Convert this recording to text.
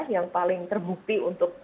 yang paling terbukti untuk